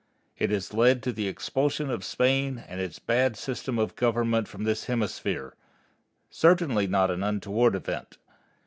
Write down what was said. It has led to the expulsion of Spain and its bad system of government from this hemisphere, certainly not an untoward event.